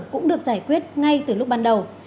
cũng được giải quyết ngay từ lúc ban đầu